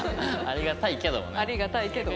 ありがたいけど。